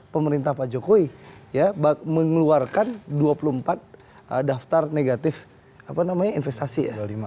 pemerintah pak jokowi mengeluarkan dua puluh empat daftar negatif investasi